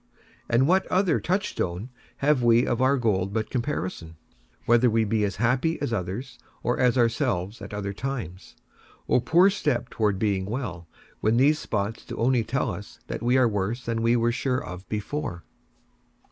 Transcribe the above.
And what other touchstone have we of our gold but comparison, whether we be as happy as others, or as ourselves at other times? O poor step toward being well, when these spots do only tell us that we are worse than we were sure of before.